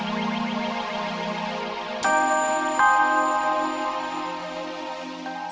iya lah rambut makeup semuanya